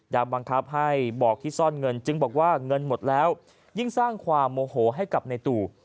บังคับให้บอกที่ซ่อนเงินจึงบอกว่าเงินหมดแล้วยิ่งสร้างความโมโหให้กับในตู่